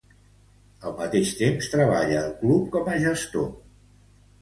Al mateix temps, treballa al club com a gestor.